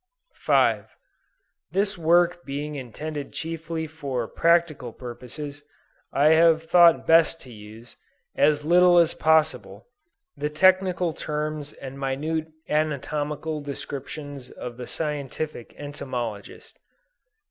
This work being intended chiefly for practical purposes, I have thought best to use, as little as possible, the technical terms and minute anatomical descriptions of the scientific entomologist.